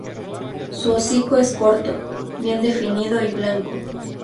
Su hocico es corto, bien definido y blanco.